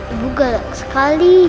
ibu galak sekali